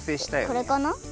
これかな？